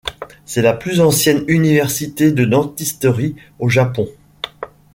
C'est la plus ancienne université de dentisterie au Japon.